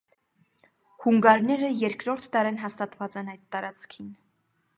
Հունգարները Թ. դարէն հաստատուած են այդ տարածքին։